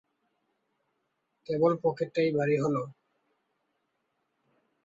কেবল পকেটটা ভারী হলেই হলো।